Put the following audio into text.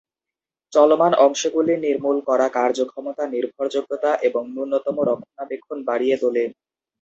চলমান অংশগুলি নির্মূল করা কর্মক্ষমতা নির্ভরযোগ্যতা এবং ন্যূনতম রক্ষণাবেক্ষণ বাড়িয়ে তোলে।